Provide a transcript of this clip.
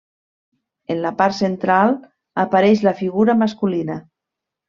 En la part central apareix la figura masculina.